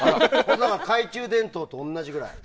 懐中電灯と同じぐらい。